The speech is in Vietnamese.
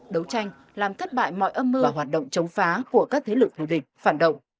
đấu tranh làm thất bại mọi âm mưu và hoạt động chống phá của các thế lực thù địch phản động